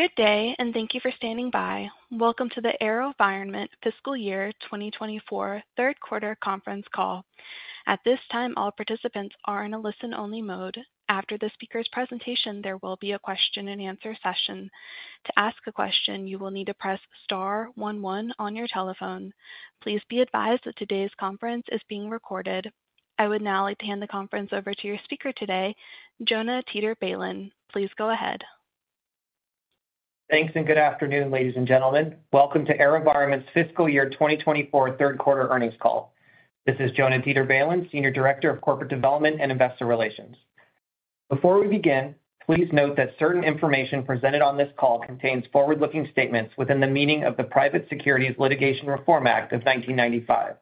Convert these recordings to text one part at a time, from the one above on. Good day, and thank you for standing by. Welcome to the AeroVironment Fiscal Year 2024 Third Quarter Conference Call. At this time, all participants are in a listen-only mode. After the speaker's presentation, there will be a question-and-answer session. To ask a question, you will need to press star one one on your telephone. Please be advised that today's conference is being recorded. I would now like to hand the conference over to your speaker today, Jonah Teeter-Balin. Please go ahead. Thanks, and good afternoon, ladies and gentlemen. Welcome to AeroVironment's Fiscal Year 2024 Third Quarter Earnings Call. This is Jonah Teeter-Balin, Senior Director of Corporate Development and Investor Relations. Before we begin, please note that certain information presented on this call contains forward-looking statements within the meaning of the Private Securities Litigation Reform Act of 1995.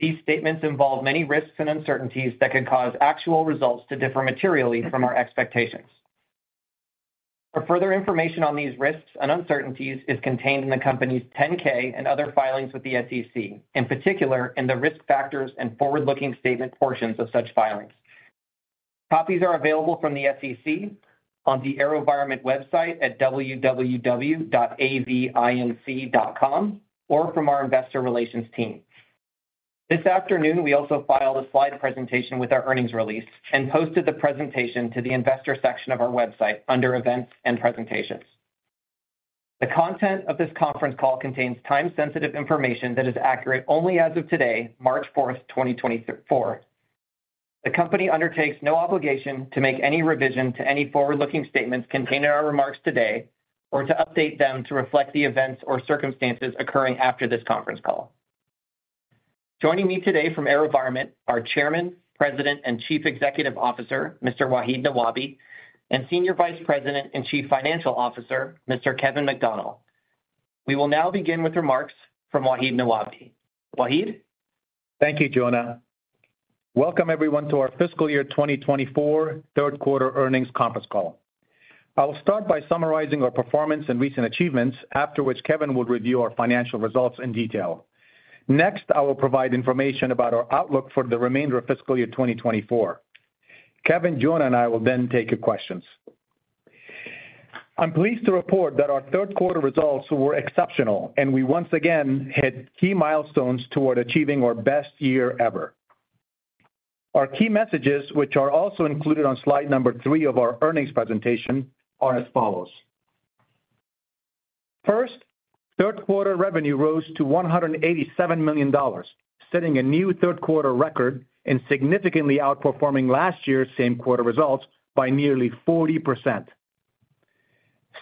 These statements involve many risks and uncertainties that could cause actual results to differ materially from our expectations. For further information on these risks and uncertainties, it is contained in the company's 10-K and other filings with the SEC, in particular in the risk factors and forward-looking statement portions of such filings. Copies are available from the SEC on the AeroVironment website at www.avinc.com or from our Investor Relations team. This afternoon, we also filed a slide presentation with our earnings release and posted the presentation to the Investor section of our website under Events and Presentations. The content of this conference call contains time-sensitive information that is accurate only as of today, March 4, 2024. The company undertakes no obligation to make any revision to any forward-looking statements contained in our remarks today or to update them to reflect the events or circumstances occurring after this conference call. Joining me today from AeroVironment are Chairman, President, and Chief Executive Officer, Mr. Wahid Nawabi, and Senior Vice President and Chief Financial Officer, Mr. Kevin McDonnell. We will now begin with remarks from Wahid Nawabi. Wahid? Thank you, Jonah. Welcome, everyone, to our Fiscal Year 2024 Third Quarter Earnings Conference Call. I will start by summarizing our performance and recent achievements, after which Kevin will review our financial results in detail. Next, I will provide information about our outlook for the remainder of fiscal year 2024. Kevin, Jonah, and I will then take your questions. I'm pleased to report that our third quarter results were exceptional, and we once again hit key milestones toward achieving our best year ever. Our key messages, which are also included on slide number three of our earnings presentation, are as follows. First, third quarter revenue rose to $187 million, setting a new third quarter record and significantly outperforming last year's same quarter results by nearly 40%.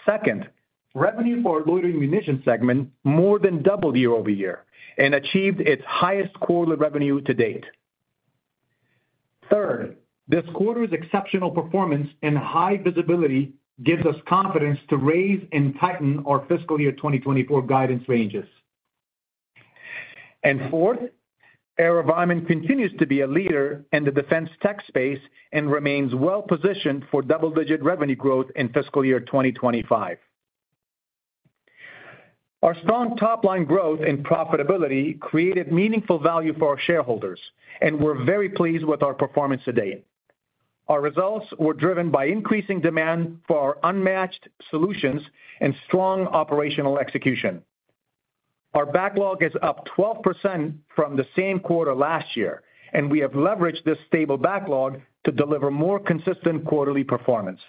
Second, revenue for our loitering munitions segment more than doubled year-over-year and achieved its highest quarterly revenue to date. Third, this quarter's exceptional performance and high visibility gives us confidence to raise and tighten our fiscal year 2024 guidance ranges. Fourth, AeroVironment continues to be a leader in the defense tech space and remains well-positioned for double-digit revenue growth in fiscal year 2025. Our strong top-line growth and profitability created meaningful value for our shareholders, and we're very pleased with our performance to date. Our results were driven by increasing demand for our unmatched solutions and strong operational execution. Our backlog is up 12% from the same quarter last year, and we have leveraged this stable backlog to deliver more consistent quarterly performance.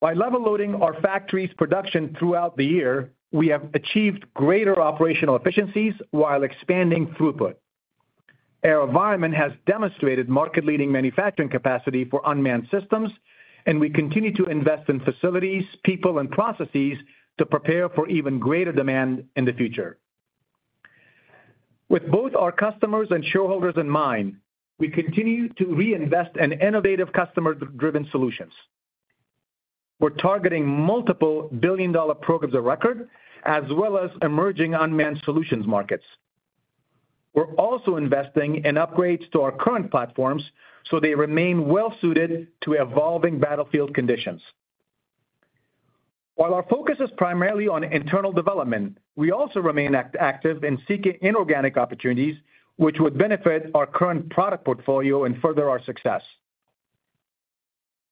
By level loading our factories' production throughout the year, we have achieved greater operational efficiencies while expanding throughput. AeroVironment has demonstrated market-leading manufacturing capacity for unmanned systems, and we continue to invest in facilities, people, and processes to prepare for even greater demand in the future. With both our customers and shareholders in mind, we continue to reinvest in innovative customer-driven solutions. We're targeting multiple billion-dollar programs of record as well as emerging unmanned solutions markets. We're also investing in upgrades to our current platforms so they remain well-suited to evolving battlefield conditions. While our focus is primarily on internal development, we also remain active in seeking inorganic opportunities, which would benefit our current product portfolio and further our success.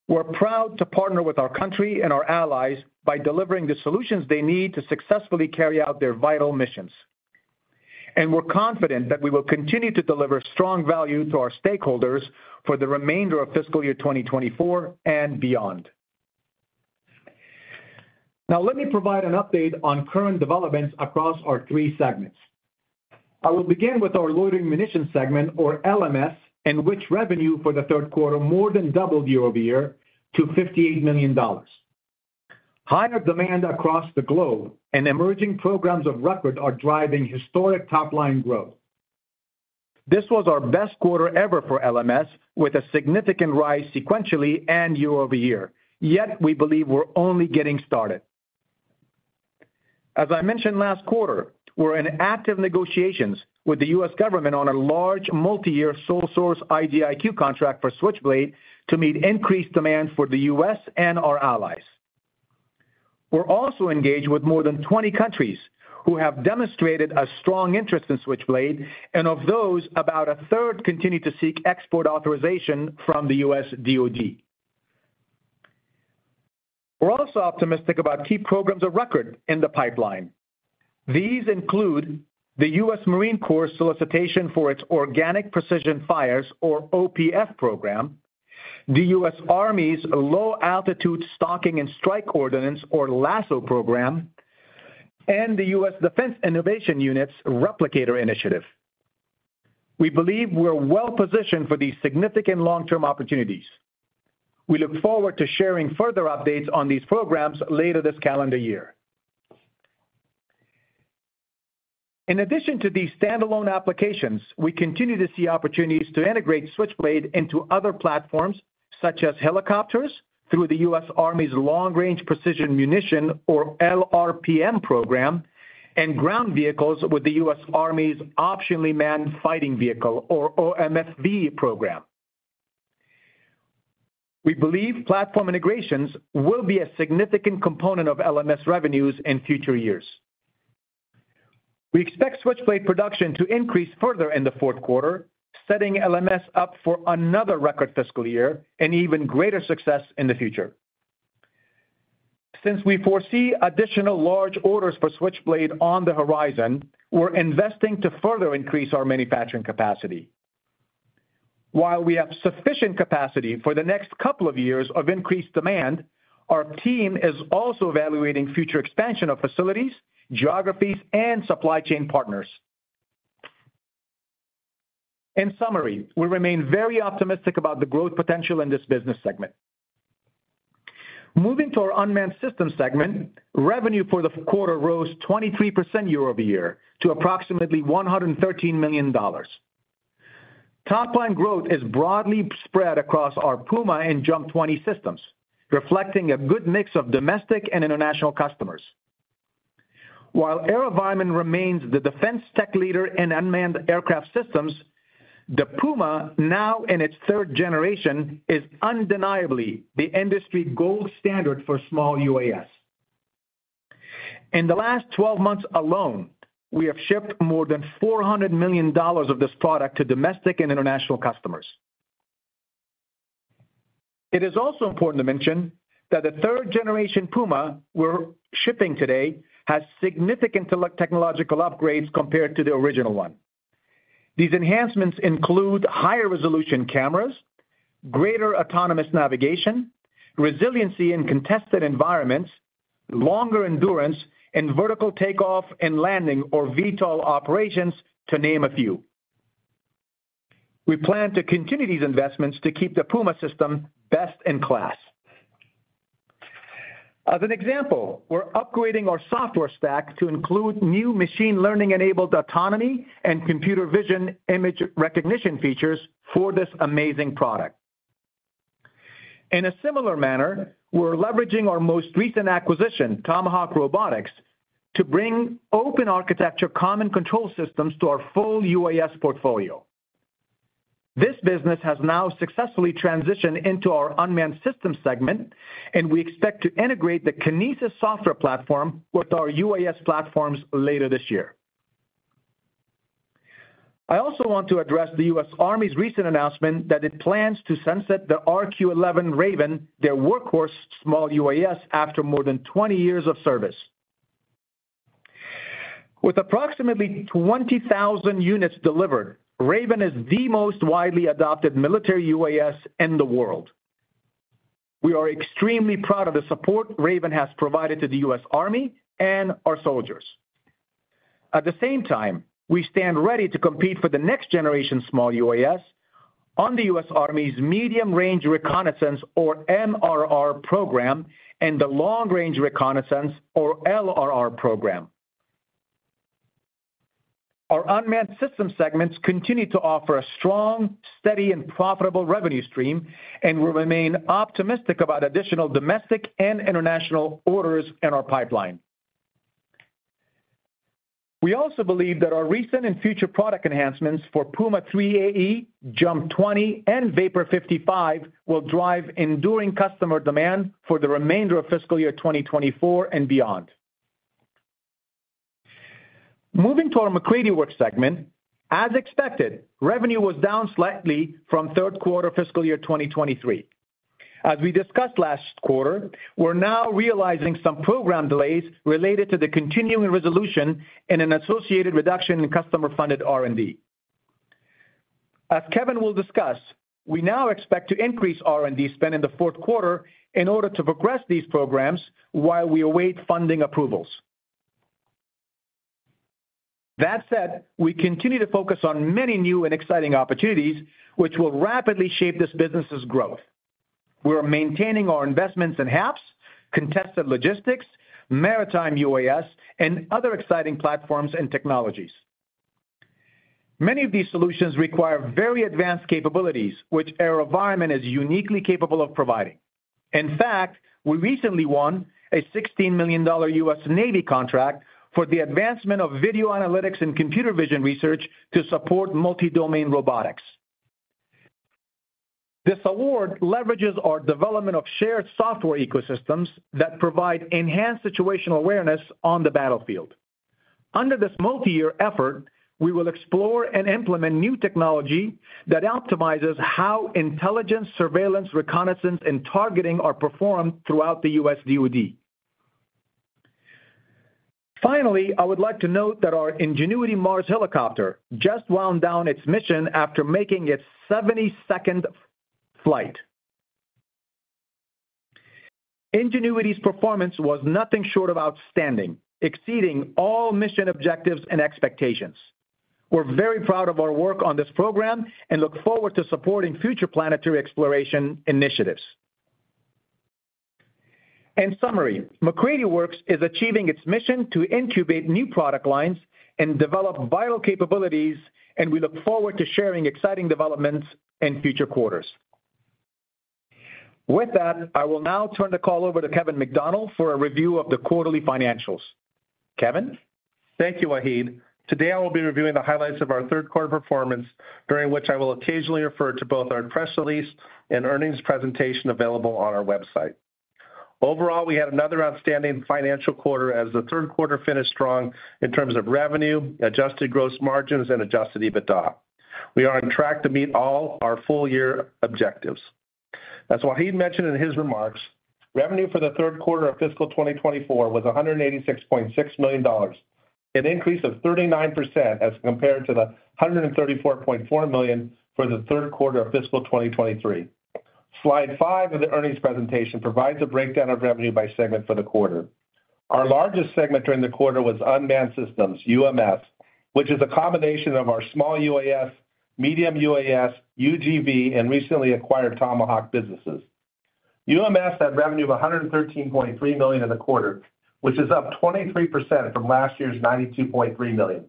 We're proud to partner with our country and our allies by delivering the solutions they need to successfully carry out their vital misions. We're confident that we will continue to deliver strong value to our stakeholders for the remainder of fiscal year 2024 and beyond. Now, let me provide an update on current developments across our three segments. I will begin with our loitering munitions segment, or LMS, in which revenue for the third quarter more than doubled year-over-year to $58 million. Higher demand across the globe and emerging programs of record are driving historic top-line growth. This was our best quarter ever for LMS, with a significant rise sequentially and year-over-year. Yet, we believe we're only getting started. As I mentioned last quarter, we're in active negotiations with the U.S. government on a large multi-year sole-source IDIQ contract for Switchblade to meet increased demand for the U.S. and our allies. We're also engaged with more than 20 countries who have demonstrated a strong interest in Switchblade, and of those, about a third continue to seek export authorization from the U.S. DoD. We're also optimistic about key programs of record in the pipeline. These include the U.S. Marine Corps' solicitation for its Organic Precision Fires, or OPF, program, the U.S. Army's Low Altitude Stalking and Strike Ordnance, or LASSO, program, and the U.S. Defense Innovation Unit's Replicator Initiative. We believe we're well-positioned for these significant long-term opportunities. We look forward to sharing further updates on these programs later this calendar year. In addition to these standalone applications, we continue to see opportunities to integrate Switchblade into other platforms such as helicopters through the U.S. Army's Long Range Precision Munition, or LRPM, program and ground vehicles with the U.S. Army's Optionally Manned Fighting Vehicle, or OMFV, program. We believe platform integrations will be a significant component of LMS revenues in future years. We expect Switchblade production to increase further in the fourth quarter, setting LMS up for another record fiscal year and even greater success in the future. Since we foresee additional large orders for Switchblade on the horizon, we're investing to further increase our manufacturing capacity. While we have sufficient capacity for the next couple of years of increased demand, our team is also evaluating future expansion of facilities, geographies, and supply chain partners. In summary, we remain very optimistic about the growth potential in this business segment. Moving to our unmanned systems segment, revenue for the quarter rose 23% year-over-year to approximately $113 million. Top-line growth is broadly spread across our PUMA and Jump 20 systems, reflecting a good mix of domestic and international customers. While AeroVironment remains the defense tech leader in unmanned aircraft systems, the Puma, now in its third generation, is undeniably the industry gold standard for small UAS. In the last 12 months alone, we have shipped more than $400 million of this product to domestic and international customers. It is also important to mention that the 3rd generation Puma we're shipping today has significant technological upgrades compared to the original one. These enhancements include higher resolution cameras, greater autonomous navigation, resiliency in contested environments, longer endurance in vertical takeoff and landing, or VTOL operations, to name a few. We plan to continue these investments to keep the Puma system best in class. As an example, we're upgrading our software stack to include new machine learning-enabled autonomy and computer vision image recognition features for this amazing product. In a similar manner, we're leveraging our most recent acquisition, Tomahawk Robotics, to bring Open Architecture Common Control Systems to our full UAS portfolio. This business has now successfully transitioned into our unmanned systems segment, and we expect to integrate the Kinesis software platform with our UAS platforms later this year. I also want to address the U.S. Army's recent announcement that it plans to sunset the RQ-11 Raven, their workhorse small UAS, after more than 20 years of service. With approximately 20,000 units delivered, Raven is the most widely adopted military UAS in the world. We are extremely proud of the support Raven has provided to the U.S. Army and our soldiers. At the same time, we stand ready to compete for the next generation small UAS on the U.S. Army's Medium Range Reconnaissance, or MRR, program and the Long Range Reconnaissance, or LRR, program. Our unmanned systems segments continue to offer a strong, steady, and profitable revenue stream, and we remain optimistic about additional domestic and international orders in our pipeline. We also believe that our recent and future product enhancements for Puma 3 AE, Jump 20, and Vapor 55 will drive enduring customer demand for the remainder of fiscal year 2024 and beyond. Moving to our MacCready Works segment, as expected, revenue was down slightly from third quarter fiscal year 2023. As we discussed last quarter, we're now realizing some program delays related to the Continuing Resolution and an associated reduction in customer-funded R&D. As Kevin will discuss, we now expect to increase R&D spend in the fourth quarter in order to progress these programs while we await funding approvals. That said, we continue to focus on many new and exciting opportunities, which will rapidly shape this business's growth. We're maintaining our investments in HAPS, contested logistics, maritime UAS, and other exciting platforms and technologies. Many of these solutions require very advanced capabilities, which AeroVironment is uniquely capable of providing. In fact, we recently won a $16 million U.S. Navy contract for the advancement of video analytics and computer vision research to support multi-domain robotics. This award leverages our development of shared software ecosystems that provide enhanced situational awareness on the battlefield. Under this multi-year effort, we will explore and implement new technology that optimizes how intelligence surveillance reconnaissance and targeting are performed throughout the U.S. DoD. Finally, I would like to note that our Ingenuity Mars helicopter just wound down its mission after making its 72nd flight. Ingenuity's performance was nothing short of outstanding, exceeding all mission objectives and expectations. We're very proud of our work on this program and look forward to supporting future planetary exploration initiatives. In summary, MacCready Works is achieving its mission to incubate new product lines and develop vital capabilities, and we look forward to sharing exciting developments in future quarters. With that, I will now turn the call over to Kevin McDonnell for a review of the quarterly financials. Kevin. Thank you, Wahid. Today, I will be reviewing the highlights of our third quarter performance, during which I will occasionally refer to both our press release and earnings presentation available on our website. Overall, we had another outstanding financial quarter as the third quarter finished strong in terms of revenue, adjusted Gross Margins, and adjusted EBITDA. We are on track to meet all our full-year objectives. As Wahid mentioned in his remarks, revenue for the third quarter of fiscal 2024 was $186.6 million, an increase of 39% as compared to the $134.4 million for the third quarter of fiscal 2023. Slide Five of the earnings presentation provides a breakdown of revenue by segment for the quarter. Our largest segment during the quarter was unmanned systems, UMS, which is a combination of our small UAS, medium UAS, UGV, and recently acquired Tomahawk businesses. UMS had revenue of $113.3 million in the quarter, which is up 23% from last year's $92.3 million.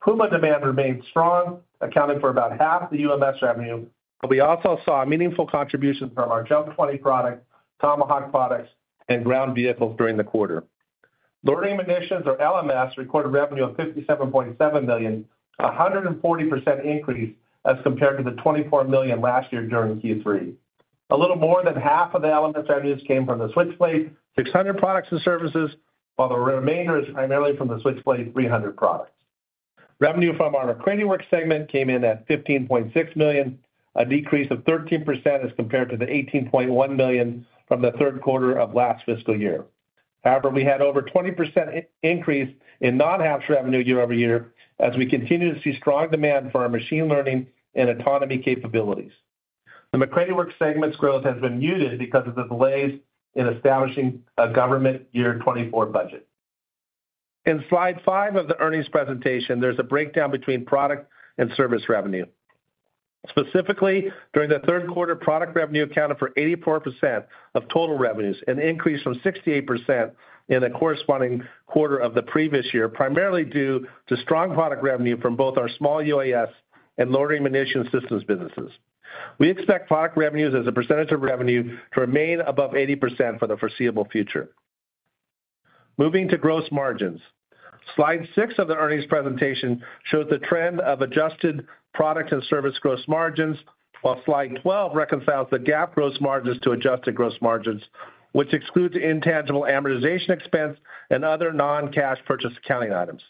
PUMA demand remained strong, accounting for about half the UMS revenue, but we also saw meaningful contributions from our Jump 20 product, Tomahawk products, and ground vehicles during the quarter. Loitering munitions, or LMS, recorded revenue of $57.7 million, a 140% increase as compared to the $24 million last year during Q3. A little more than 1/2 of the LMS revenues came from the Switchblade 600 products and services, while the remainder is primarily from the Switchblade 300 products. Revenue from our MacCready Works segment came in at $15.6 million, a decrease of 13% as compared to the $18.1 million from the third quarter of last fiscal year. However, we had over a 20% increase in non-HAPS revenue year-over-year as we continue to see strong demand for our machine learning and autonomy capabilities. The MacCready Works segment's growth has been muted because of the delays in establishing a government year 2024 budget. In Slide Five of the earnings presentation, there's a breakdown between product and service revenue. Specifically, during the third quarter, product revenue accounted for 84% of total revenues, an increase from 68% in the corresponding quarter of the previous year, primarily due to strong product revenue from both our small UAS and loitering munitions systems businesses. We expect product revenues as a percentage of revenue to remain above 80% for the foreseeable future. Moving to gross margins. Slide Six of the earnings presentation shows the trend of adjusted product and service gross margins, while Slide 12 reconciles the GAAP gross margins to adjusted gross margins, which excludes intangible amortization expense and other non-cash purchase accounting items.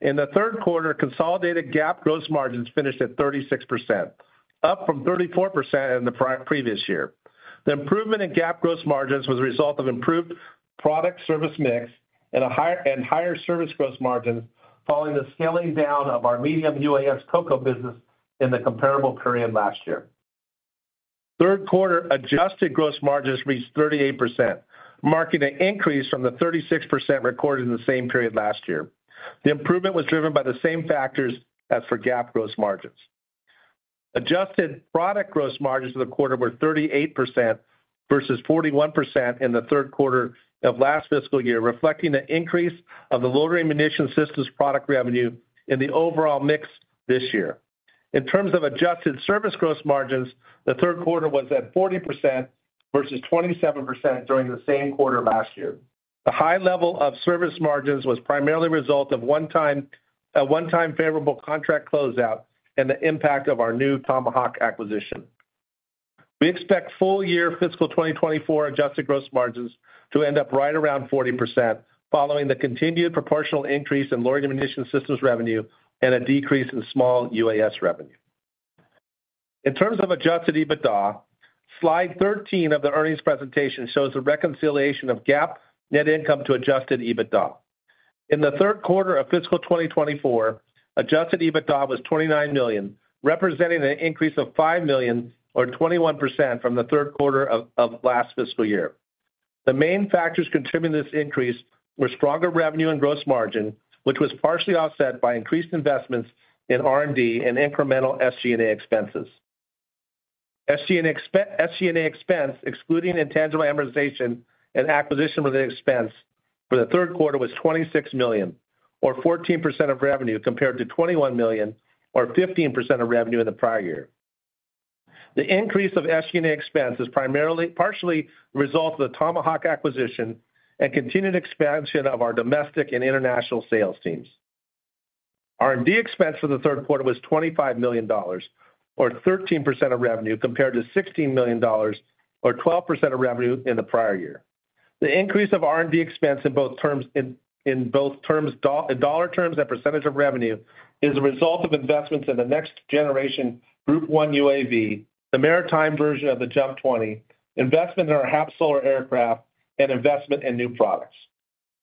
In the third quarter, consolidated GAAP gross margins finished at 36%, up from 34% in the previous year. The improvement in GAAP gross margins was a result of improved product-service mix and higher service gross margins following the scaling down of our medium UAS COCO business in the comparable period last year. Third quarter adjusted gross margins reached 38%, marking an increase from the 36% recorded in the same period last year. The improvement was driven by the same factors as for GAAP gross margins. Adjusted product gross margins for the quarter were 38% versus 41% in the third quarter of last fiscal year, reflecting the increase of the loitering munitions systems product revenue in the overall mix this year. In terms of adjusted service gross margins, the third quarter was at 40% versus 27% during the same quarter last year. The high level of service margins was primarily a result of one-time favorable contract closeout and the impact of our new Tomahawk acquisition. We expect full-year fiscal 2024 adjusted gross margins to end up right around 40% following the continued proportional increase in loitering munitions systems revenue and a decrease in small UAS revenue. In terms of adjusted EBITDA, Slide 13 of the earnings presentation shows the reconciliation of GAAP net income to adjusted EBITDA. In the third quarter of fiscal 2024, adjusted EBITDA was $29 million, representing an increase of $5 million, or 21%, from the third quarter of last fiscal year. The main factors contributing to this increase were stronger revenue and gross margin, which was partially offset by increased investments in R&D and incremental SG&A expenses. SG&A expense, excluding intangible amortization and acquisition-related expense, for the third quarter was $26 million, or 14% of revenue compared to $21 million, or 15% of revenue in the prior year. The increase of SG&A expense is partially the result of the Tomahawk acquisition and continued expansion of our domestic and international sales teams. R&D expense for the third quarter was $25 million, or 13% of revenue compared to $16 million, or 12% of revenue in the prior year. The increase of R&D expense in both terms in dollar terms and percentage of revenue is a result of investments in the next generation Group One UAV, the maritime version of the Jump 20, investment in our HAPS solar aircraft, and investment in new products.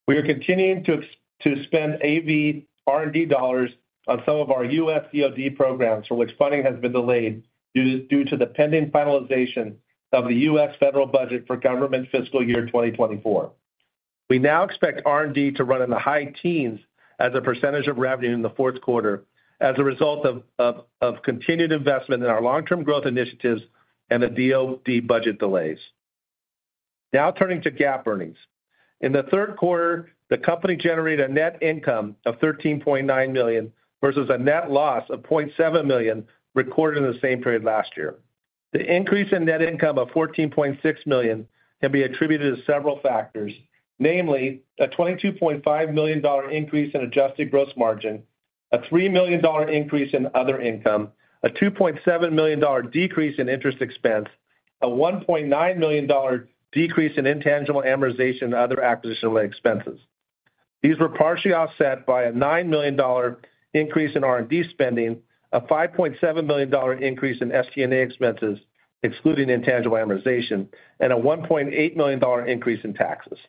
We are continuing to spend AV R&D dollars on some of our U.S. DOD programs, for which funding has been delayed due to the pending finalization of the U.S. federal budget for government fiscal year 2024. We now expect R&D to run in the high teens as a percentage of revenue in the fourth quarter as a result of continued investment in our long-term growth initiatives and the DOD budget delays. Now turning to GAAP earnings. In the third quarter, the company generated a net income of $13.9 million versus a net loss of $0.7 million recorded in the same period last year. The increase in net income of $14.6 million can be attributed to several factors, namely a $22.5 million increase in adjusted gross margin, a $3 million increase in other income, a $2.7 million decrease in interest expense, a $1.9 million decrease in intangible amortization and other acquisition-related expenses. These were partially offset by a $9 million increase in R&D spending, a $5.7 million increase in SG&A expenses, excluding intangible amortization, and a $1.8 million increase in taxes.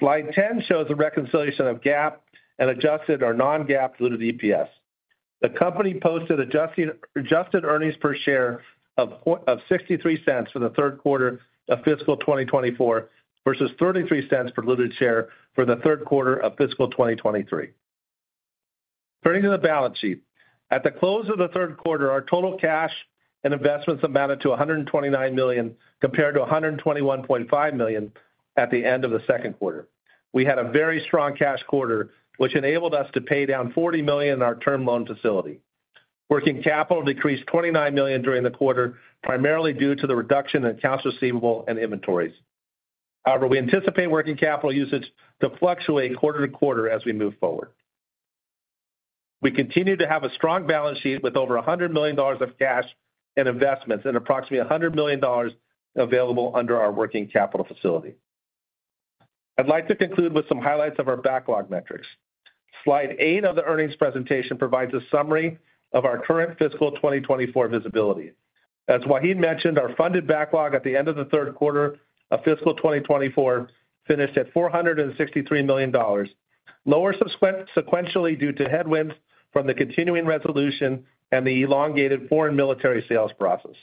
Slide 10 shows the reconciliation of GAAP and adjusted or non-GAAP diluted EPS. The company posted adjusted earnings per share of $0.63 for the third quarter of fiscal 2024 versus $0.33 per diluted share for the third quarter of fiscal 2023. Turning to the balance sheet. At the close of the third quarter, our total cash and investments amounted to $129 million compared to $121.5 million at the end of the second quarter. We had a very strong cash quarter, which enabled us to pay down $40 million in our term loan facility. Working capital decreased $29 million during the quarter, primarily due to the reduction in accounts receivable and inventories. However, we anticipate working capital usage to fluctuate quarter to quarter as we move forward. We continue to have a strong balance sheet with over $100 million of cash and investments and approximately $100 million available under our working capital facility. I'd like to conclude with some highlights of our backlog metrics. Slide Eight of the earnings presentation provides a summary of our current fiscal 2024 visibility. As Wahid mentioned, our funded backlog at the end of the third quarter of fiscal 2024 finished at $463 million, lower sequentially due to headwinds from the Continuing Resolution and the elongated Foreign Military Sales process.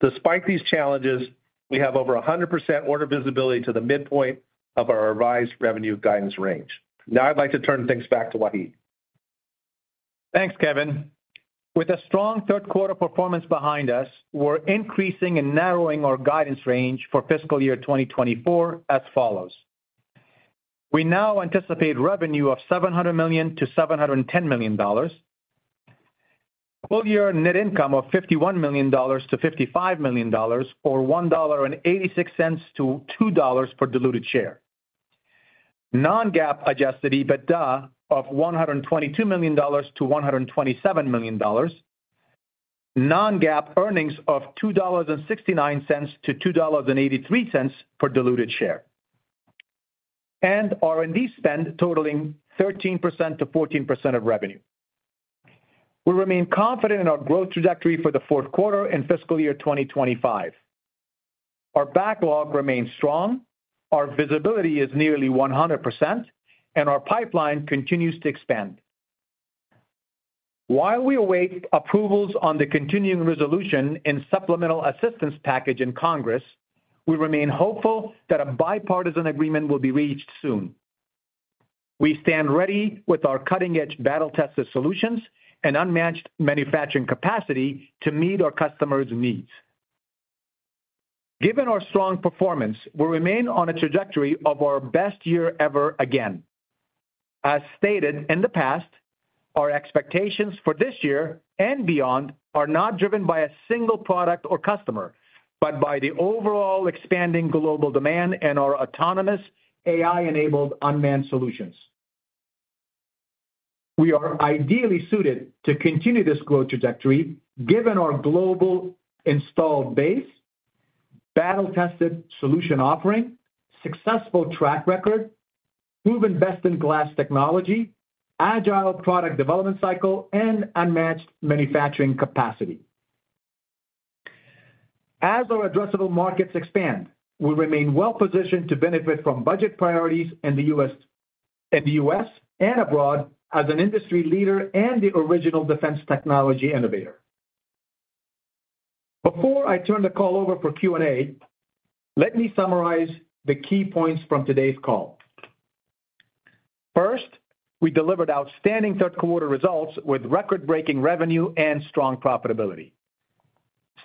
Despite these challenges, we have over 100% order visibility to the midpoint of our revised revenue guidance range. Now I'd like to turn things back to Wahid. Thanks, Kevin. With a strong third quarter performance behind us, we're increasing and narrowing our guidance range for fiscal year 2024 as follows. We now anticipate revenue of $700 million-$710 million, full-year net income of $51 million-$55 million, or $1.86-$2 per diluted share, non-GAAP adjusted EBITDA of $122 million-$127 million, non-GAAP earnings of $2.69-$2.83 per diluted share, and R&D spend totaling 13%-14% of revenue. We remain confident in our growth trajectory for the fourth quarter in fiscal year 2025. Our backlog remains strong, our visibility is nearly 100%, and our pipeline continues to expand. While we await approvals on the continuing resolution and supplemental assistance package in Congress, we remain hopeful that a bipartisan agreement will be reached soon. We stand ready with our cutting-edge battle-tested solutions and unmatched manufacturing capacity to meet our customers' needs. Given our strong performance, we remain on a trajectory of our best year ever again. As stated in the past, our expectations for this year and beyond are not driven by a single product or customer, but by the overall expanding global demand and our autonomous AI-enabled unmanned solutions. We are ideally suited to continue this growth trajectory given our global installed base, battle-tested solution offering, successful track record, proven best-in-class technology, agile product development cycle, and unmatched manufacturing capacity. As our addressable markets expand, we remain well-positioned to benefit from budget priorities in the U.S. and abroad as an industry leader and the original defense technology innovator. Before I turn the call over for Q&A, let me summarize the key points from today's call. First, we delivered outstanding third quarter results with record-breaking revenue and strong profitability.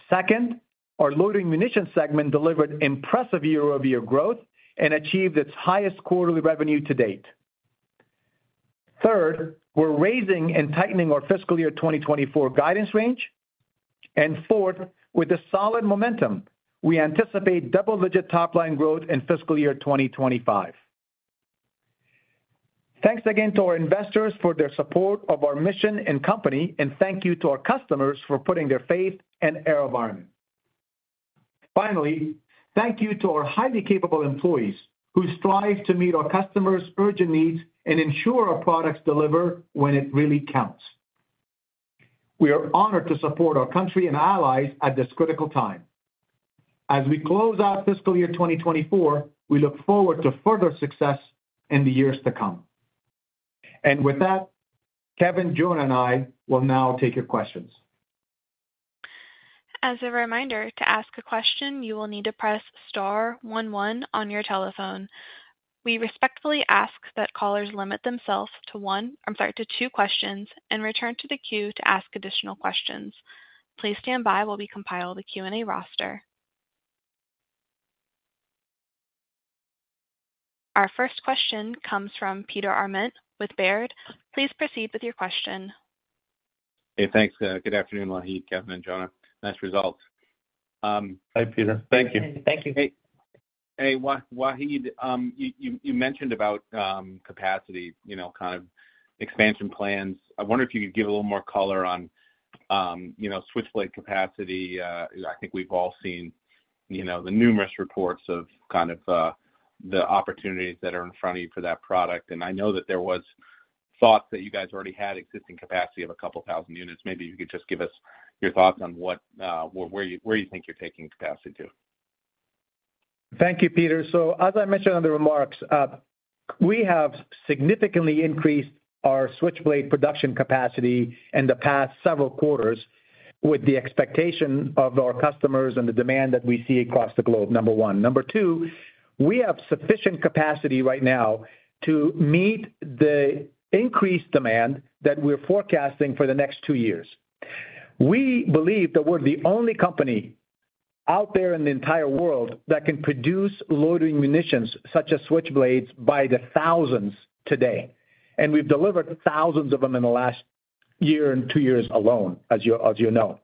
Second, our loitering munitions segment delivered impressive year-over-year growth and achieved its highest quarterly revenue to date. Third, we're raising and tightening our fiscal year 2024 guidance range. Fourth, with a solid momentum, we anticipate double-digit top-line growth in fiscal year 2025. Thanks again to our investors for their support of our mission and company, and thank you to our customers for putting their faith in our armor. Finally, thank you to our highly capable employees who strive to meet our customers' urgent needs and ensure our products deliver when it really counts. We are honored to support our country and allies at this critical time. As we close out fiscal year 2024, we look forward to further success in the years to come. And with that, Kevin, Jonah, and I will now take your questions. As a reminder, to ask a question, you will need to press star one one on your telephone. We respectfully ask that callers limit themselves to one. I'm sorry, to two questions and return to the queue to ask additional questions. Please stand by while we compile the Q&A roster. Our first question comes from Peter Arment with Baird. Please proceed with your question. Hey, thanks. Good afternoon, Wahid, Kevin, and Jonah. Nice results. Hi, Peter. Thank you. Thank you. Hey. Hey, Wahid, you mentioned about capacity, kind of expansion plans. I wonder if you could give a little more color on Switchblade capacity. I think we've all seen the numerous reports of kind of the opportunities that are in front of you for that product. And I know that there was thoughts that you guys already had existing capacity of 2,000 units. Maybe you could just give us your thoughts on where you think you're taking capacity to. Thank you, Peter. So as I mentioned in the remarks, we have significantly increased our Switchblade production capacity in the past several quarters with the expectation of our customers and the demand that we see across the globe, number one. Number two, we have sufficient capacity right now to meet the increased demand that we're forecasting for the next two years. We believe that we're the only company out there in the entire world that can produce loitering munitions such as Switchblades by the thousands today. We've delivered thousands of them in the last year and two years alone, as you know.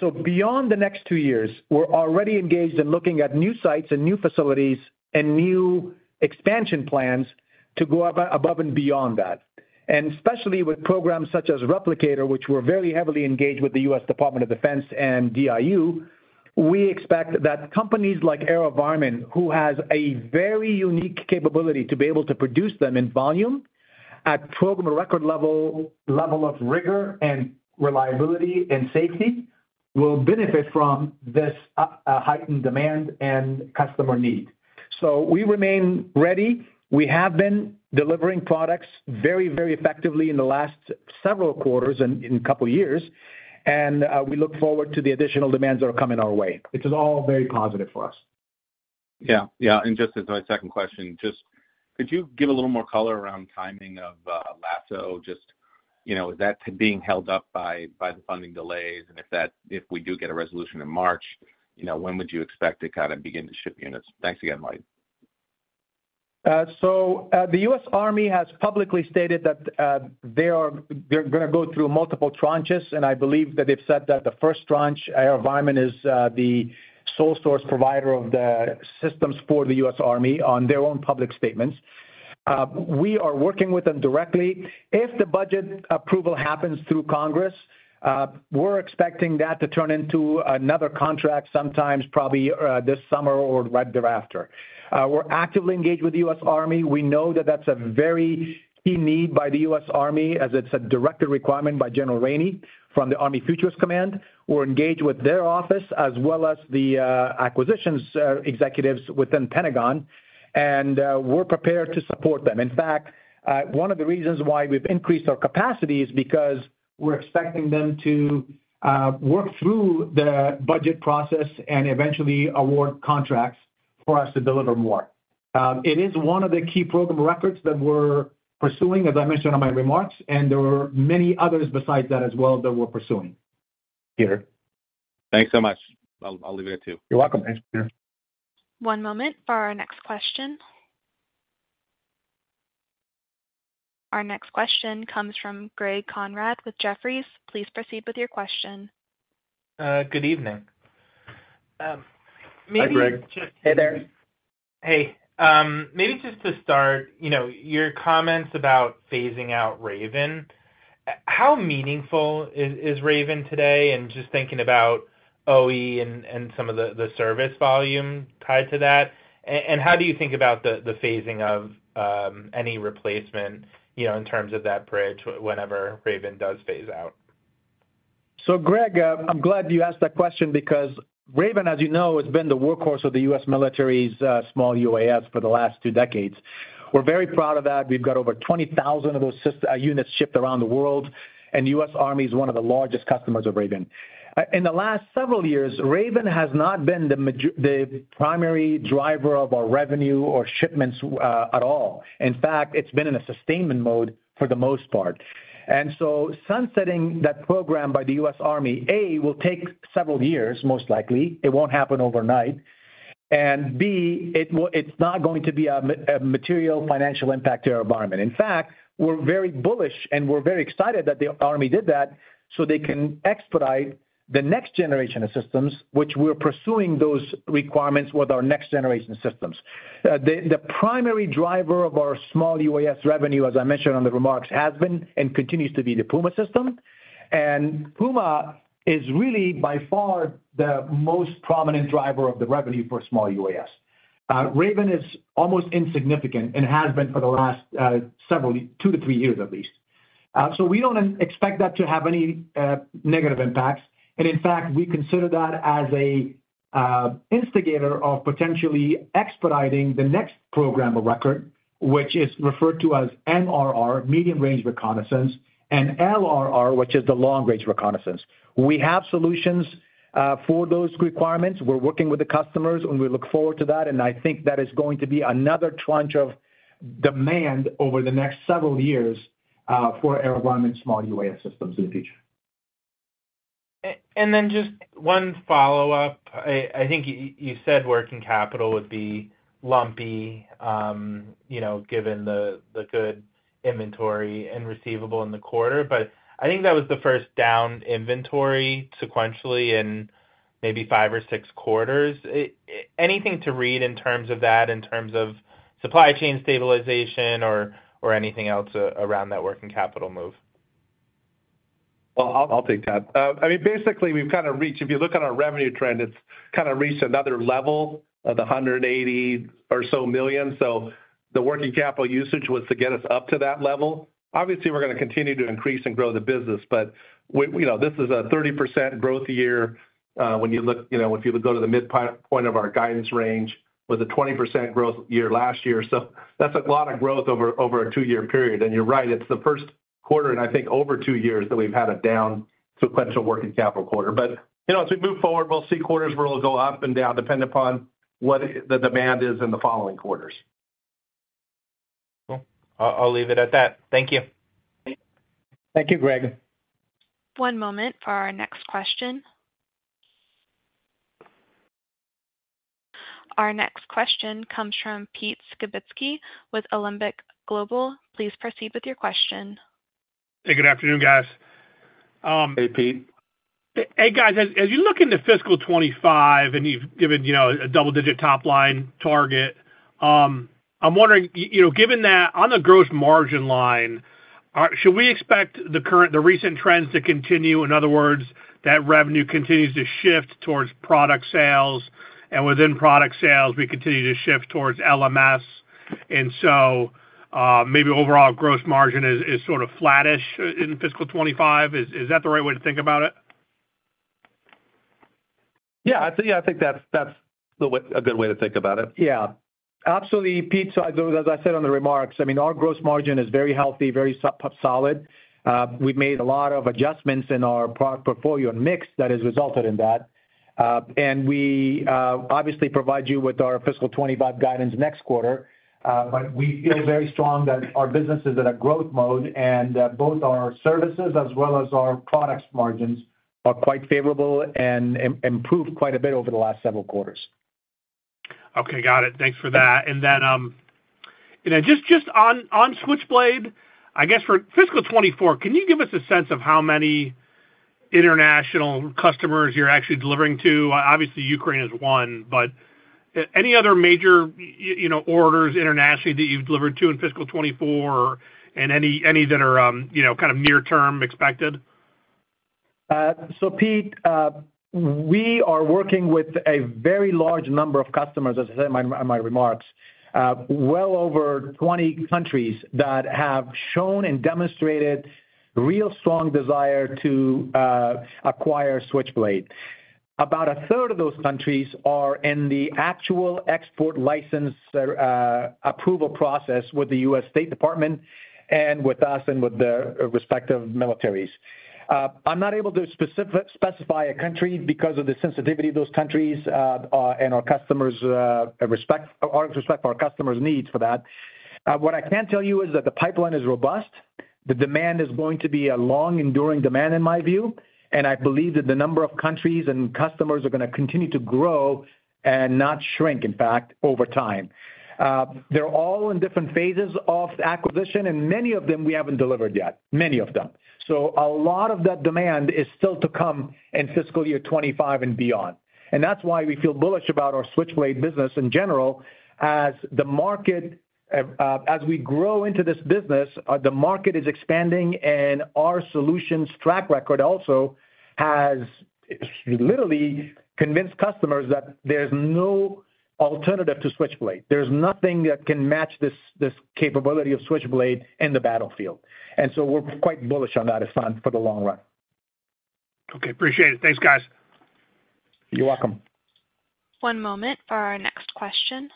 So beyond the next two years, we're already engaged in looking at new sites and new facilities and new expansion plans to go above and beyond that. And especially with programs such as Replicator, which we're very heavily engaged with the U.S. Department of Defense and DIU, we expect that companies like AeroVironment, who has a very unique capability to be able to produce them in volume at program record level of rigor and reliability and safety, will benefit from this heightened demand and customer need. So we remain ready. We have been delivering products very, very effectively in the last several quarters and in a couple years. We look forward to the additional demands that are coming our way. This is all very positive for us. Yeah. Yeah. And just as my second question, just could you give a little more color around timing of LASSO? Just is that being held up by the funding delays? And if we do get a resolution in March, when would you expect to kind of begin to ship units? Thanks again, Wahid. So the U.S. Army has publicly stated that they're going to go through multiple tranches. And I believe that they've said that the first tranche, AeroVironment, is the sole source provider of the systems for the U.S. Army on their own public statements. We are working with them directly. If the budget approval happens through Congress, we're expecting that to turn into another contract sometime, probably this summer or right thereafter. We're actively engaged with the U.S. Army. We know that that's a very key need by the U.S. Army as it's a directed requirement by General Rainey from the Army Futures Command. We're engaged with their office as well as the acquisitions executives within the Pentagon. We're prepared to support them. In fact, one of the reasons why we've increased our capacity is because we're expecting them to work through the budget process and eventually award contracts for us to deliver more. It is one of the key programs of record that we're pursuing, as I mentioned in my remarks. There were many others besides that as well that we're pursuing. Peter. Thanks so much. I'll leave it at two. You're welcome. Thanks, Peter. One moment for our next question. Our next question comes from Greg Konrad with Jefferies. Please proceed with your question. Good evening. Hi, Greg. Hey there. Hey. Maybe just to start, your comments about phasing out Raven, how meaningful is Raven today? Just thinking about OE and some of the service volume tied to that. How do you think about the phasing of any replacement in terms of that bridge whenever Raven does phase out? So, Greg, I'm glad you asked that question because Raven, as you know, has been the workhorse of the U.S. military's small UAS for the last two decades. We're very proud of that. We've got over 20,000 of those units shipped around the world. The U.S. Army is one of the largest customers of Raven. In the last several years, Raven has not been the primary driver of our revenue or shipments at all. In fact, it's been in a sustainment mode for the most part. So sunsetting that program by the U.S. Army, A, will take several years, most likely. It won't happen overnight. And B, it's not going to be a material financial impact to AeroVironment. In fact, we're very bullish and we're very excited that the Army did that so they can expedite the next generation of systems, which we're pursuing those requirements with our next generation of systems. The primary driver of our small UAS revenue, as I mentioned in the remarks, has been and continues to be the PUMA system. And PUMA is really, by far, the most prominent driver of the revenue for small UAS. Raven is almost insignificant and has been for the last two to three years, at least. So we don't expect that to have any negative impacts. And in fact, we consider that as an instigator of potentially expediting the next program of record, which is referred to as MRR, Medium Range Reconnaissance, and LRR, which is the Long Range Reconnaissance. We have solutions for those requirements. We're working with the customers and we look forward to that. I think that is going to be another tranche of demand over the next several years for air of armor and small UAS systems in the future. Then just one follow-up. I think you said working capital would be lumpy given the good inventory and receivable in the quarter. I think that was the first down inventory sequentially in maybe five or six quarters. Anything to read in terms of that, in terms of supply chain stabilization or anything else around that working capital move? Well, I'll take that. I mean, basically, we've kind of reached. If you look at our revenue trend, it's kind of reached another level of the $180 million or so. So the working capital usage was to get us up to that level. Obviously, we're going to continue to increase and grow the business. But this is a 30% growth year when you look if you go to the midpoint of our guidance range, was a 20% growth year last year. So that's a lot of growth over a two-year period. And you're right. It's the first quarter in, I think, over two years that we've had a down sequential working capital quarter. But as we move forward, we'll see quarters where we'll go up and down depending upon what the demand is in the following quarters. Cool. I'll leave it at that. Thank you. Thank you, Greg. One moment for our next question. Our next question comes from Pete Skibitski with Alembic Global. Please proceed with your question. Hey, good afternoon, guys. Hey, Pete. Hey, guys, as you look into fiscal 2025 and you've given a double-digit top-line target, I'm wondering, given that on the gross margin line, should we expect the recent trends to continue? In other words, that revenue continues to shift towards product sales. And within product sales, we continue to shift towards LMS. And so maybe overall gross margin is sort of flattish in fiscal 2025. Is that the right way to think about it? Yeah. I think that's a good way to think about it. Yeah. Absolutely, Pete. So as I said in the remarks, I mean, our gross margin is very healthy, very solid. We've made a lot of adjustments in our product portfolio and mix that has resulted in that. And we obviously provide you with our fiscal 2025 guidance next quarter. But we feel very strong that our business is in a growth mode and both our services as well as our products margins are quite favorable and improved quite a bit over the last several quarters. Okay. Got it. Thanks for that. And then just on Switchblade, I guess for fiscal 2024, can you give us a sense of how many international customers you're actually delivering to? Obviously, Ukraine is one. But any other major orders internationally that you've delivered to in fiscal 2024 and any that are kind of near-term expected? So, Pete, we are working with a very large number of customers, as I said in my remarks, well over 20 countries that have shown and demonstrated real strong desire to acquire Switchblade. About a 1/3 of those countries are in the actual export license approval process with the U.S. State Department and with us and with the respective militaries. I'm not able to specify a country because of the sensitivity of those countries and our customers' respect for our customers' needs for that. What I can tell you is that the pipeline is robust. The demand is going to be a long-enduring demand in my view. And I believe that the number of countries and customers are going to continue to grow and not shrink, in fact, over time. They're all in different phases of acquisition. And many of them we haven't delivered yet, many of them. So a lot of that demand is still to come in fiscal year 2025 and beyond. And that's why we feel bullish about our Switchblade business in general as the market as we grow into this business, the market is expanding and our solution's track record also has literally convinced customers that there's no alternative to Switchblade. There's nothing that can match this capability of Switchblade in the battlefield. And so we're quite bullish on that as far as for the long run. Okay. Appreciate it. Thanks, guys. You're welcome. One moment for our next question.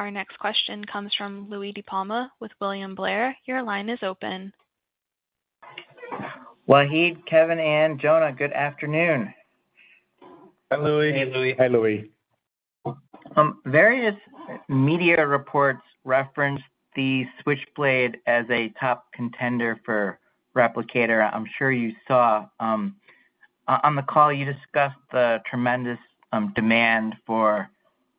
Our next question comes from Louie DiPalma with William Blair. Your line is open. Wahid, Kevin, and Jonah, good afternoon. Hi, Louie. Hey, Louie. Hi, Louie. Various media reports reference the Switchblade as a top contender for Replicator. I'm sure you saw on the call, you discussed the tremendous demand for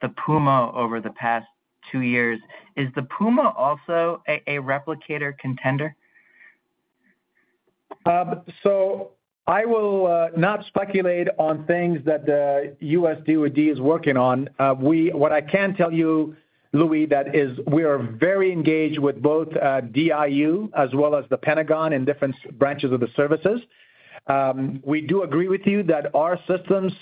the PUMA over the past two years. Is the PUMA also a Replicator contender? So I will not speculate on things that the U.S. DoD is working on. What I can tell you, Louie, is that we are very engaged with both DIU as well as the Pentagon in different branches of the services. We do agree with you that our systems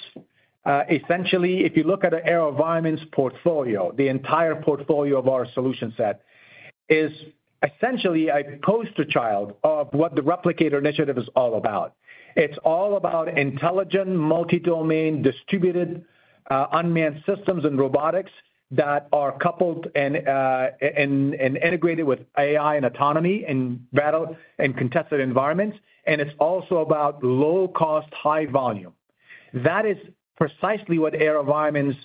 essentially, if you look at AeroVironment's portfolio, the entire portfolio of our solution set, is essentially a poster child of what the Replicator initiative is all about. It's all about intelligent, multi-domain, distributed unmanned systems and robotics that are coupled and integrated with AI and autonomy in battle and contested environments. And it's also about low cost, high volume. That is precisely what AeroVironment's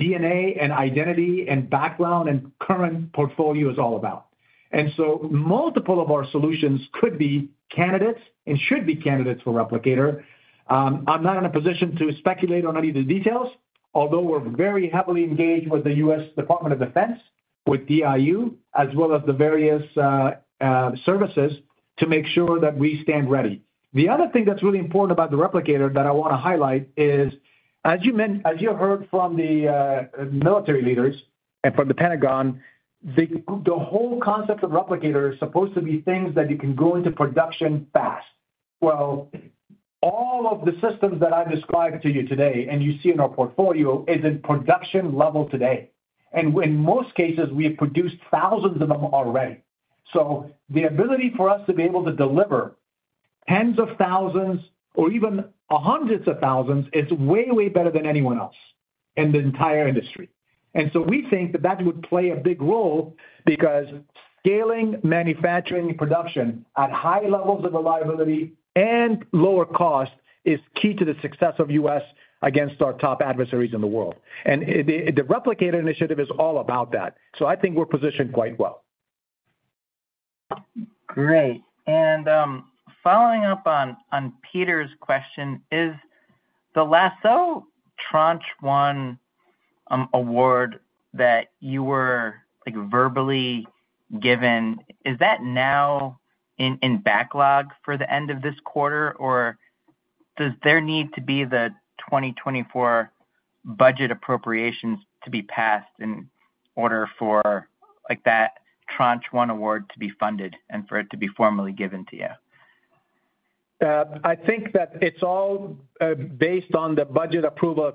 DNA and identity and background and current portfolio is all about. And so multiple of our solutions could be candidates and should be candidates for Replicator. I'm not in a position to speculate on any of the details, although we're very heavily engaged with the U.S. Department of Defense, with DIU, as well as the various services to make sure that we stand ready. The other thing that's really important about the Replicator that I want to highlight is as you heard from the military leaders and from the Pentagon, the whole concept of Replicator is supposed to be things that you can go into production fast. Well, all of the systems that I've described to you today and you see in our portfolio is in production level today. And in most cases, we have produced thousands of them already. So the ability for us to be able to deliver tens of thousands or even hundreds of thousands is way, way better than anyone else in the entire industry. And so we think that that would play a big role because scaling manufacturing production at high levels of reliability and lower cost is key to the success of the U.S. against our top adversaries in the world. And the Replicator Initiative is all about that. So I think we're positioned quite well. Great. And following up on Peter's question, is the LASSO Tranche One award that you were verbally given, is that now in backlog for the end of this quarter or does there need to be the 2024 budget appropriations to be passed in order for that Tranche One award to be funded and for it to be formally given to you? I think that it's all based on the budget approval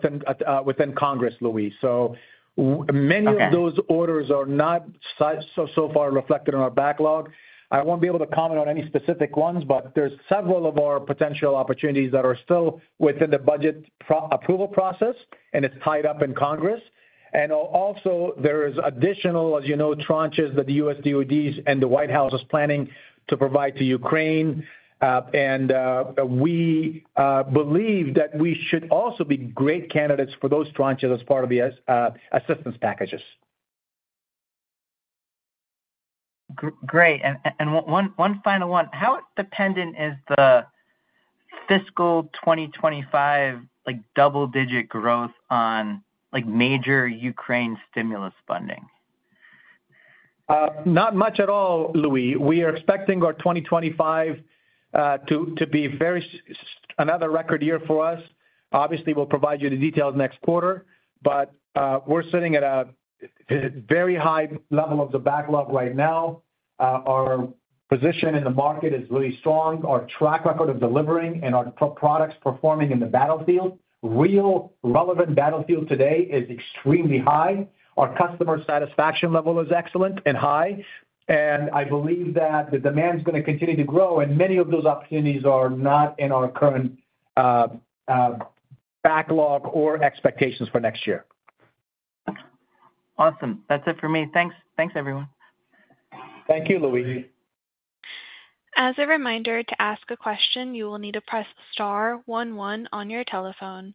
within Congress, Louie. So many of those orders are not so far reflected in our backlog. I won't be able to comment on any specific ones, but there's several of our potential opportunities that are still within the budget approval process and it's tied up in Congress. Also, there is additional, as you know, tranches that the U.S. DoD and the White House is planning to provide to Ukraine. And we believe that we should also be great candidates for those tranches as part of the assistance packages. Great. And one final one. How dependent is the fiscal 2025 double-digit growth on major Ukraine stimulus funding? Not much at all, Louie. We are expecting our 2025 to be very another record year for us. Obviously, we'll provide you the details next quarter. But we're sitting at a very high level of the backlog right now. Our position in the market is really strong. Our track record of delivering and our products performing in the battlefield, real relevant battlefield today, is extremely high. Our customer satisfaction level is excellent and high. And I believe that the demand is going to continue to grow. And many of those opportunities are not in our current backlog or expectations for next year. Awesome. That's it for me. Thanks, everyone. Thank you, Louie. As a reminder, to ask a question, you will need to press star one one on your telephone.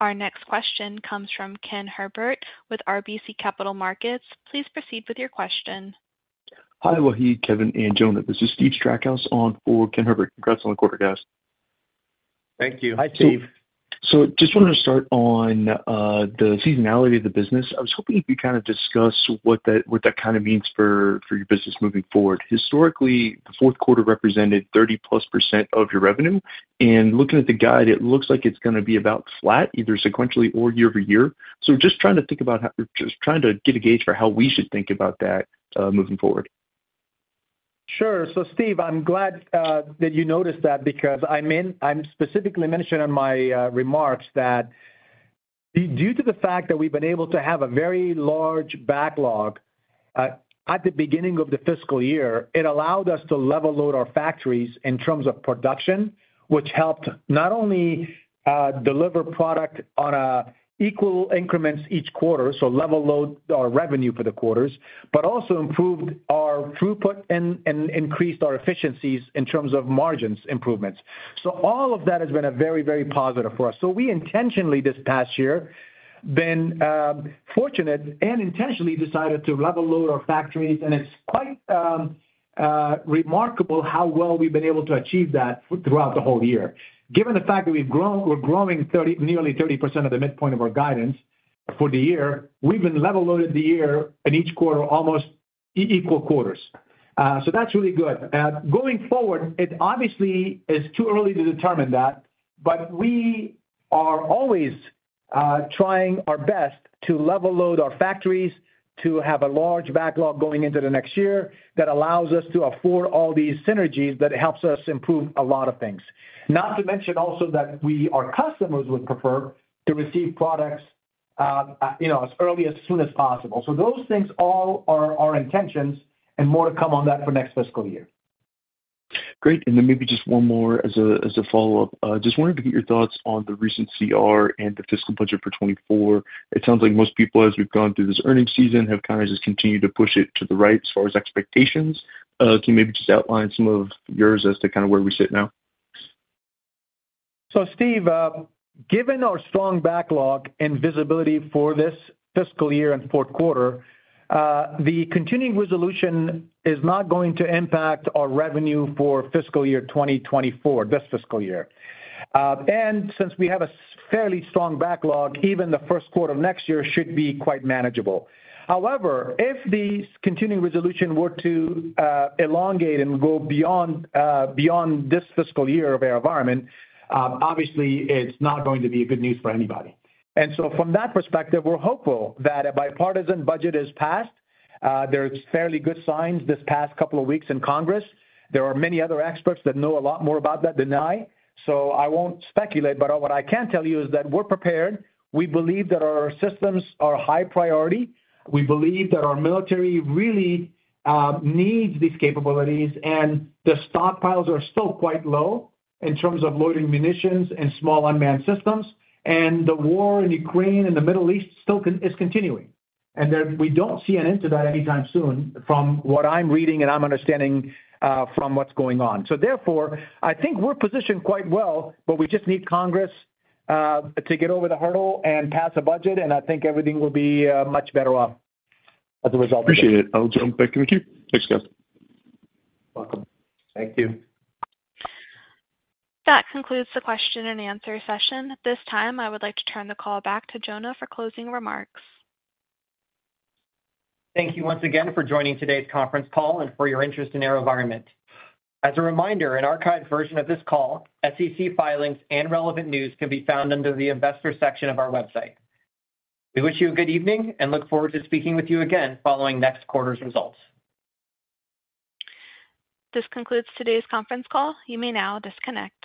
Our next question comes from Ken Herbert with RBC Capital Markets. Please proceed with your question. Hi, Wahid, Kevin, and Jonah. This is Steve Strackhouse on for Ken Herbert. Congrats on the quarter, guys. Thank you. Hi, Steve. So just wanted to start on the seasonality of the business. I was hoping you could kind of discuss what that kind of means for your business moving forward. Historically, the fourth quarter represented 30%+ of your revenue. Looking at the guide, it looks like it's going to be about flat, either sequentially or year-over-year. Just trying to think about just trying to get a gauge for how we should think about that moving forward. Sure. So, Steve, I'm glad that you noticed that because I specifically mentioned in my remarks that due to the fact that we've been able to have a very large backlog at the beginning of the fiscal year, it allowed us to level load our factories in terms of production, which helped not only deliver product on equal increments each quarter, so level load our revenue for the quarters, but also improved our throughput and increased our efficiencies in terms of margins improvements. So all of that has been very, very positive for us. So we intentionally this past year been fortunate and intentionally decided to level load our factories. And it's quite remarkable how well we've been able to achieve that throughout the whole year. Given the fact that we're growing nearly 30% of the midpoint of our guidance for the year, we've been level loaded the year in each quarter almost equal quarters. So that's really good. Going forward, it obviously is too early to determine that. But we are always trying our best to level load our factories to have a large backlog going into the next year that allows us to afford all these synergies that helps us improve a lot of things. Not to mention also that our customers would prefer to receive products as early as soon as possible. So those things all are our intentions and more to come on that for next fiscal year. Great. Then maybe just one more as a follow-up. Just wanted to get your thoughts on the recent CR and the fiscal budget for 2024. It sounds like most people, as we've gone through this earnings season, have kind of just continued to push it to the right as far as expectations. Can you maybe just outline some of yours as to kind of where we sit now? So, Steve, given our strong backlog and visibility for this fiscal year and fourth quarter, the continuing resolution is not going to impact our revenue for fiscal year 2024, this fiscal year. And since we have a fairly strong backlog, even the first quarter of next year should be quite manageable. However, if the continuing resolution were to elongate and go beyond this fiscal year or a year or more, obviously, it's not going to be good news for anybody. And so from that perspective, we're hopeful that a bipartisan budget is passed. There's fairly good signs this past couple of weeks in Congress. There are many other experts that know a lot more about that than I. So I won't speculate. But what I can tell you is that we're prepared. We believe that our systems are high priority. We believe that our military really needs these capabilities. And the stockpiles are still quite low in terms of loading munitions and small unmanned systems. And the war in Ukraine and the Middle East still is continuing. And we don't see an end to that anytime soon from what I'm reading and I'm understanding from what's going on. So, therefore, I think we're positioned quite well, but we just need Congress to get over the hurdle and pass a budget. I think everything will be much better off as a result of that. Appreciate it. I'll jump back in with you. Thanks, guys. Welcome. Thank you. That concludes the question and answer session. At this time, I would like to turn the call back to Jonah for closing remarks. Thank you once again for joining today's conference call and for your interest in AeroVironment. As a reminder, an archived version of this call, SEC filings, and relevant news can be found under the investor section of our website. We wish you a good evening and look forward to speaking with you again following next quarter's results. This concludes today's conference call. You may now disconnect.